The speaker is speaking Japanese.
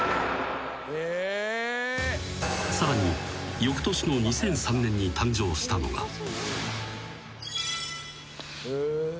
［さらに翌年の２００３年に誕生したのが］